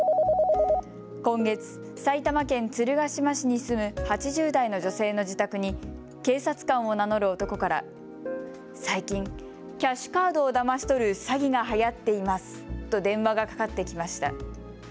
今月、埼玉県鶴ヶ島市に住む８０代の女性の自宅に警察官を名乗る男から最近、キャッシュカードをだまし取る詐欺がはやっていますと電話がかかってきました。